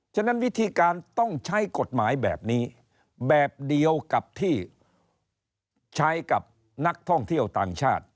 ฉะนั้นวิธีการต้องใช้กฎหมายแบบนี้แบบเดียวกับที่ใช้กับนักท่องเที่ยวต่างชาติ